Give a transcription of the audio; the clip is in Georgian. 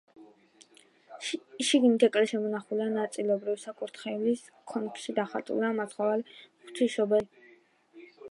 შიგნით ეკლესია მოხატულია, მხატვრობა შემონახულია ნაწილობრივ, საკურთხევლის კონქში დახატულია მაცხოვარი, ღვთისმშობელი და ნათლისმცემელი.